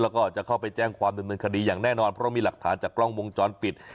แล้วก็จะเข้าไปแจ้งความดำเนินคดีอย่างแน่นอนเพราะมีหลักฐานจากกล้องวงจรปิด